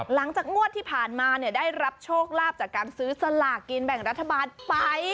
งวดที่ผ่านมาได้รับโชคลาภจากการซื้อสลากกินแบ่งรัฐบาลไป